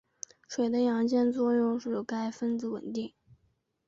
水的氢键作用使该分子稳定。